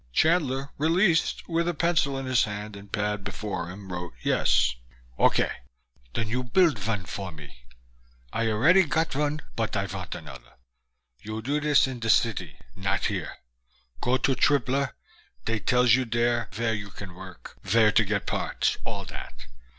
Chandler, released with a pencil in his hand and a pad before him, wrote Yes. "Okay. Den you build vun for me. I areddy got vun but I vant another. You do dis in de city, not here. Go to Tripler, dey tells you dere vere you can work, vere to get parts, all dat.